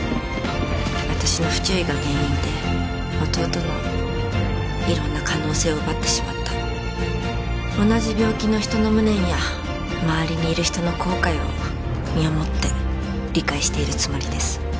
私の不注意が原因で弟の色んな可能性を奪ってしまった同じ病気の人の無念や周りにいる人の後悔を身をもって理解しているつもりです